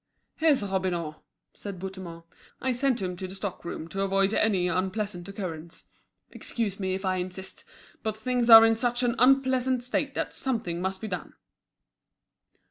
"Here's Robineau," said Bouthemont. "I sent him to the stock room to avoid any unpleasant occurrence. Excuse me if I insist, but things are in such an unpleasant state that something must be done."